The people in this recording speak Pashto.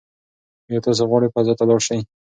ایا تاسي غواړئ فضا ته لاړ شئ؟